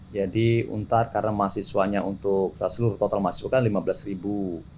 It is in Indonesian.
ntar karena mahasiswanya untuk seluruh total mahasiswa kan lima belas ribu